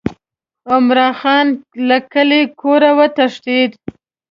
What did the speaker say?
عمرا خان له کلي کوره وتښتېد.